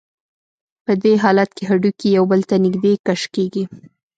په دې حالت کې هډوکي یو بل ته نږدې کش کېږي.